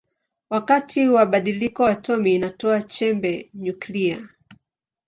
Wakati wa badiliko atomi inatoa chembe nyuklia.